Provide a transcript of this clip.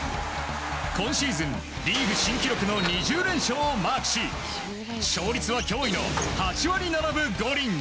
今シーズン、リーグ新記録の２０連勝をマークし勝率は驚異の８割７分５厘。